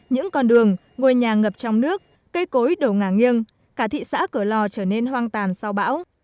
những con đường ngôi nhà ngập trong nước cây cối đổ ngả nghiêng cả thị xã cửa lò trở nên hoang tàn sau bão